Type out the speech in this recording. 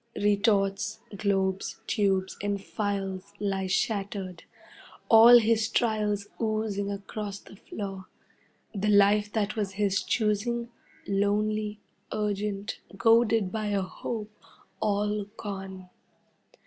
Retorts, globes, tubes, and phials lie shattered. All his trials oozing across the floor. The life that was his choosing, lonely, urgent, goaded by a hope, all gone.